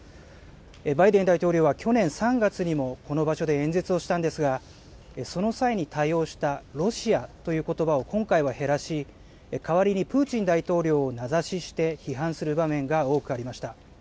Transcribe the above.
バイデン大統領は去年３月にも、この場所で演説をしたんですが、その際に多用したロシアということばを今回は減らし、代わりにプーチン大統領を名指しして批判する場面が多くありました。